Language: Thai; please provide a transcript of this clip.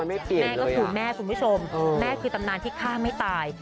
แม่ก็คือแม่คุณผู้ชมแม่คือตำนานที่ฆ่าไม่ตาย